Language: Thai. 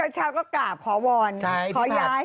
ชาวก็กลับขอวอนขอย้าย